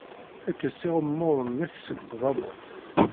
Kkes iɣemmuren-nnek seg tdabut.